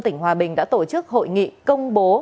tỉnh hòa bình đã tổ chức hội nghị công bố